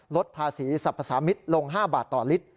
ลดภาษีสรรพสามิตรลง๕บาทต่อลิตร